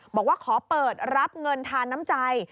บอกว่าขอเปิดรับเงินทานน้ำใจ